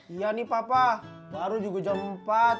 iya nih papa baru juga jam empat